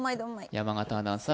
山形アナウンサー